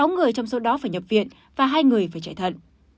sáu người trong số đó phải nhập viện và hai người phải chạy thận